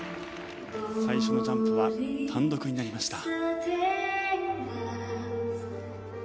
最初のジャンプは単独になりました。